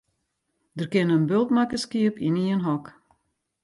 Der kinne in bult makke skiep yn ien hok.